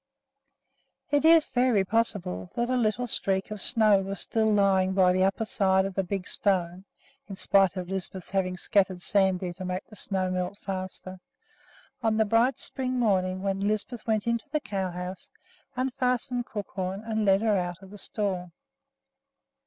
It is very possible that a little streak of snow was still lying by the upper side of the big stone (in spite of Lisbeth's having scattered sand there to make the snow melt faster) on the bright spring day when Lisbeth went into the cow house, unfastened Crookhorn, and led her out of the stall.